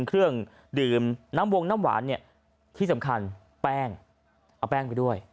เครื่องดื่มน้ำวงน้ำหวานเนี่ยที่สำคัญแป้งเอาแป้งไปด้วย